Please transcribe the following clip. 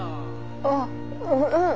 あううん。